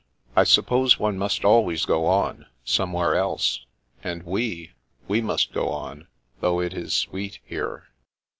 " I suppose one must always go on, some where else. And we — ^we must go on, though it is sweet here."